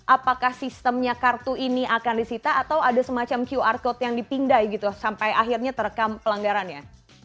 apakah sistemnya kartu ini akan disita atau ada semacam qr code yang dipindai gitu sampai akhirnya terekam pelanggarannya